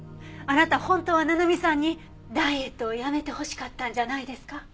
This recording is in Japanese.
あなた本当は七海さんにダイエットをやめてほしかったんじゃないですか？